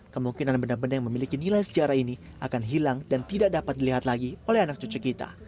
kemungkinan benda benda yang memiliki nilai sejarah ini akan hilang dan tidak dapat dilihat lagi oleh anak cucu kita